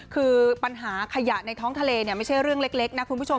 คือปัญหาขยะในท้องทะเลเนี่ยไม่ใช่เรื่องเล็กนะคุณผู้ชม